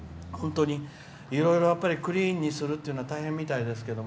いろいろクリーンにするっていうのは大変みたいですけど。